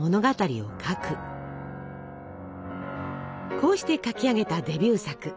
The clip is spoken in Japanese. こうして書き上げたデビュー作。